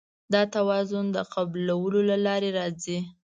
دا توازن د قبلولو له لارې راځي.